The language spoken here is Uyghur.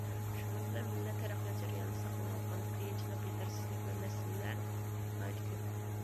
شۇنىڭ بىلەن بىللە، تەرەققىيات جەريانىدا ساقلىنىۋاتقان قىيىنچىلىق، يېتەرسىزلىك ۋە مەسىلىلەر ناھايىتى كۆپ.